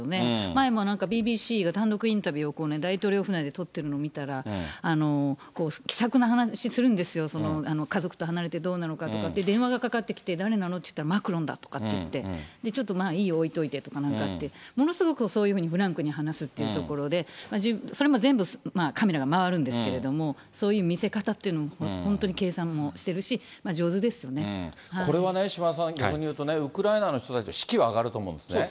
前もなんかＢＢＣが単独インタビューを行って、大統領府内で撮ってるの見たら、気さくな話するんですよ、家族と離れてどうなのかって、電話がかかってきて、誰なのって言ったらマクロンだって言って、ちょっと置いといてとかって言って、ものすごくそういうふうにフランクに話すっていうところで、それも全部カメラが回るんですけれども、そういう見せ方っていうのも本当に計算をしてるし、これはね、島田さん、逆に言うとね、ウクライナの人たち、士気は上がると思うんですよね。